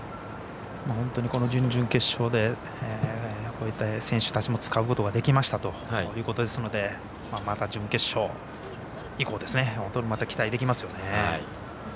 準々決勝でこういった選手たちを使うことができましたということですのでまた準決勝以降期待できますよね。